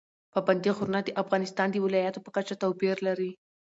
پابندي غرونه د افغانستان د ولایاتو په کچه توپیر لري.